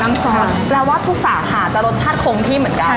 ซอสแปลว่าทุกสาขาจะรสชาติคงที่เหมือนกัน